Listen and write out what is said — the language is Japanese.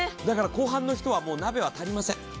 だから後半の人はもう鍋は足りません。